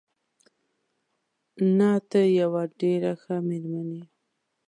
نه، ته یوه ډېره ښه مېرمن یې.